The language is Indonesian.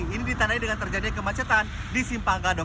ini ditandai dengan terjadinya kemacetan di simpang gadok